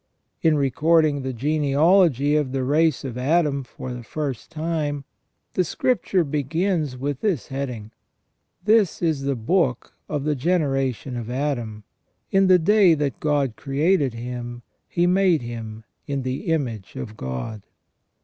In recording the genealogy of the race of Adam for the first time, the Scripture begins with this heading :" This is the book of the generation of Adam. In the day that God created him, he made him in the image of God."